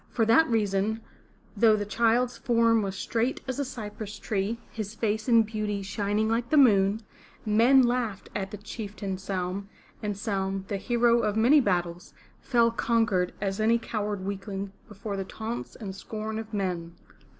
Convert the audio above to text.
For that reason, though the child's form was straight as a cypress tree, his face in beauty shining like the moon, men laughed at the Chieftain, Saum; and Saum, the hero of many battles, fell conquered as any coward weakling before the taunts and scorn of men.